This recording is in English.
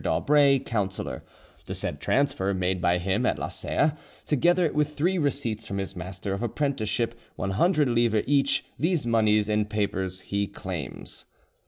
d'Aubray, councillor; the said transfer made by him at Laserre, together with three receipts from his master of apprenticeship, 100 livres each: these moneys and papers he claims."